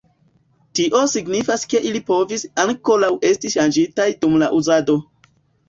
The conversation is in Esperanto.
Tio signifas ke ili povis ankoraŭ esti ŝanĝitaj dum la uzado.